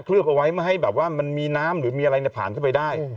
เคลือบเอาไว้ให้แบบว่ามันมีน้ำหรือมีอะไรเนี่ยผ่านเข้าไปได้